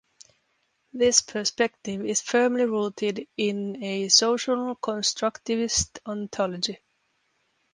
This perspective is firmly rooted in a social constructivist ontology.